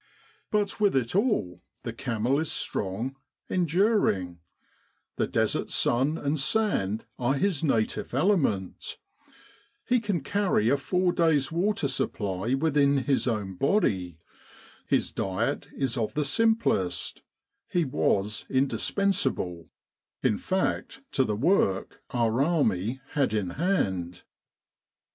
But with it all, the camel is strong, enduring; the Desert sun and sand are his 'native element; he can carry a four days' water supply within his own body ; his diet is of the simplest; he was indispensable, in fact, to the work our army had in hand.